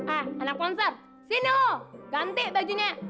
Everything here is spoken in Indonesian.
ah anak monster sini dong ganti bajunya